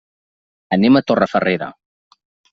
Anem a Torrefarrera.